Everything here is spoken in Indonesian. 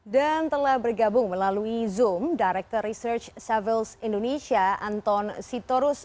dan telah bergabung melalui zoom director research savils indonesia anton sitorus